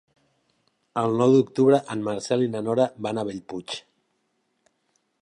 El nou d'octubre en Marcel i na Nora van a Bellpuig.